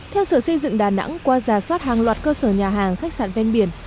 theo sở xây dựng đà nẵng qua giả soát hàng loạt cơ sở nhà hàng khách sạn ven biển